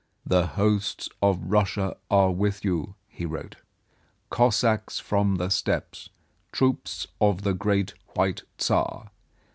"The hosts of Russia are with you," he wrote, "Cossacks from the Steppes, troops of the Great White Tsar.